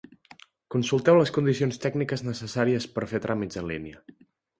Consulteu les condicions tècniques necessàries per fer tràmits en línia.